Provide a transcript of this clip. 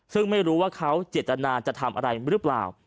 ซึ่งไม่รู้ว่าเขาเจตนาจะทำอะไรหรือเปล่า